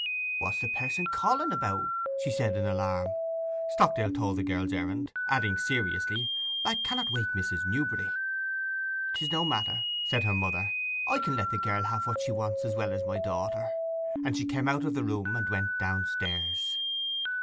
'What's the person calling about?' she said in alarm. Stockdale told the girl's errand, adding seriously, 'I cannot wake Mrs. Newberry.' 'It is no matter,' said her mother. 'I can let the girl have what she wants as well as my daughter.' And she came out of the room and went downstairs.